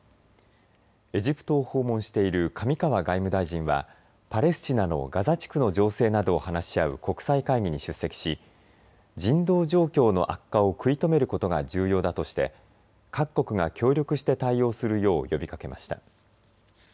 エジプトを訪問している上川外務大臣はパレスチナのガザ地区の情勢などを話し合う国際会議に出席し人道状況の悪化を食い止めることが重要だとして各国が協力して対応するよう呼びかけました。